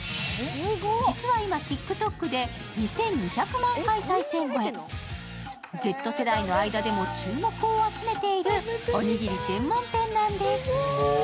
実は今、ＴｉｋＴｏｋで２２００万回再生超えＺ世代の間でも注目を集めているおにぎり専門店なんです。